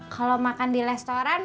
kalo makan di restoran